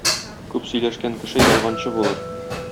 Күп сөйләшкән кеше ялганчы булыр.